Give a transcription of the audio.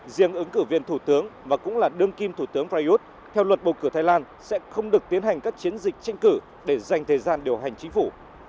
riêng ứng cử viên thủ tướng và cũng là đương kim thủ tướng prayuth theo luật bầu cử thái lan sẽ không được tiến hành các chiến dịch tranh cử để dành thời gian điều hành chính phủ